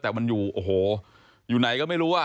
แต่มันอยู่โอ้โหอยู่ไหนก็ไม่รู้อ่ะ